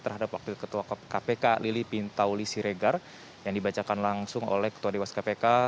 terhadap wakil ketua kpk lili pintauli siregar yang dibacakan langsung oleh ketua dewas kpk